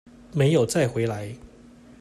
沒有再回來